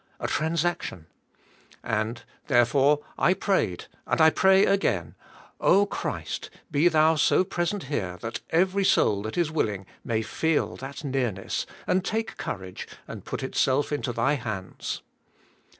A transaction. And, therefore, I prayed and I pray again, 0h Christ, be Thou so present here that every soul that is willing may feel that nearness, and take courage TH^ I,IFS OF RKST. 227 and put itself into Thy hands."